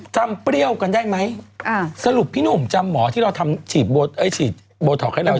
จำเปรี้ยวกันได้ไหมสรุปพี่หนุ่มจำหมอหนักืีบโบท็อกให้เรา